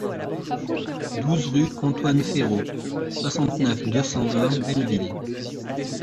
douze rue Antoine Ferraud, soixante-neuf, deux cent vingt, Belleville